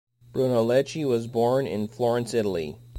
Brunelleschi was born in Florence, Italy.